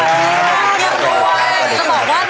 สวัสดีครับพี่อำนวย